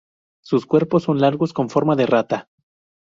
Sus cuerpos son largos con forma de rata.